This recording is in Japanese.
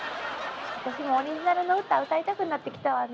私もオリジナルの歌歌いたくなってきたわね。